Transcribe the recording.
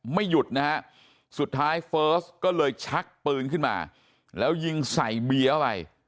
ไม่หยุดนะฮะสุดท้ายเฟิร์สก็เลยชักปืนขึ้นมาแล้วยิงใส่เบียร์ไป